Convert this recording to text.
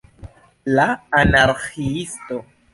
La Anarĥiisto!